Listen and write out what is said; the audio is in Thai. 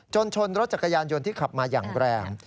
ชนรถจักรยานยนต์ที่ขับมาอย่างแรง